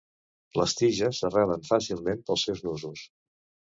Les tiges arrelen fàcilment pels seus nusos.